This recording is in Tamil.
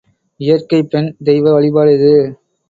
இயற்கைப் பெண் தெய்வ வழிபாடு இது.